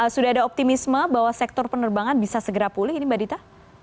sudah ada optimisme bahwa sektor penerbangan bisa segera pulih ini mbak dita